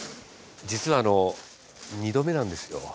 実は二度目なんですよ。